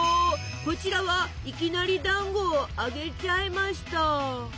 こちらはいきなりだんごを揚げちゃいました。